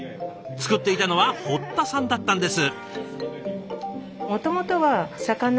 作っていたのは堀田さんだったんです。